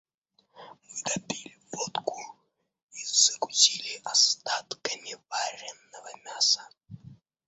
Мы допили водку и закусили остатками вареного мяса.